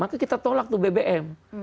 maka kita tolak tuh bbm